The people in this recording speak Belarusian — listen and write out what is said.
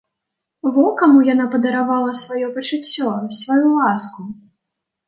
Во каму яна падаравала сваё пачуццё, сваю ласку!